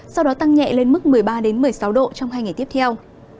sau đó tăng nhẹ lên mức một mươi ba một mươi sáu độ trong hai ngày tiếp theo